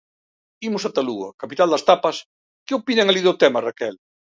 Imos ata Lugo, a capital das tapas, que opinan alí do tema, Raquel?